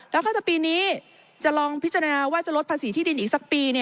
แล้วก็จะปีนี้จะลองพิจารณาว่าจะลดภาษีที่ดินอีกสักปี